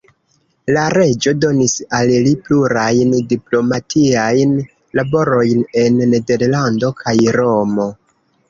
La reĝo donis al li plurajn diplomatiajn laborojn en Nederlando kaj Romo.